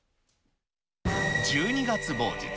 １２月某日。